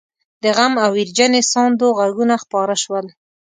د غم او ويرجنې ساندو غږونه خپاره شول.